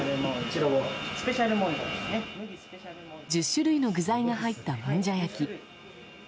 １０種類の具材が入ったもんじゃ焼き。